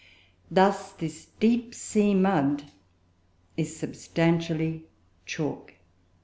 Thus this deep sea mud is substantially chalk.